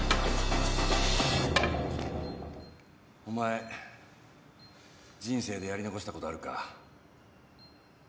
お前人生でやり残したことあるか？